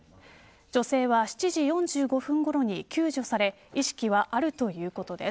女性は７時４５分ごろに救助され意識はあるということです。